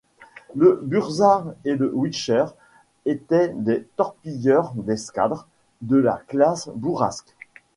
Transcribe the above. Le Burza et le Wicher étaient des torpilleurs d'escadre de la classe Bourrasque.